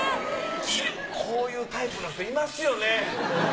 こういうタイプの人いますよね。